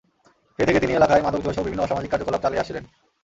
সেই থেকে তিনি এলাকায় মাদক, জুয়াসহ বিভিন্ন অসামাজিক কার্যকলাপ চালিয়ে আসছিলেন।